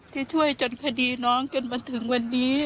ที่ช่วยจนคดีน้องจนมาถึงวันนี้